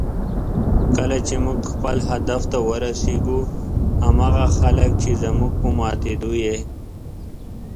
کله چې موږ خپل هدف ته ورسېږو، هماغه خلک چې زموږ په ماتېدو یې